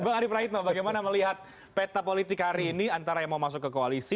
bang adi praitno bagaimana melihat peta politik hari ini antara yang mau masuk ke koalisi